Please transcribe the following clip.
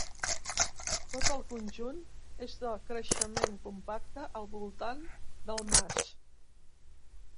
Tot el conjunt és de creixement compacte al voltant del mas.